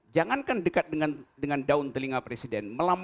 jangankan dekat dengan daun telinga presiden